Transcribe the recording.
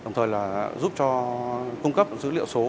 giúp cung cấp dữ liệu số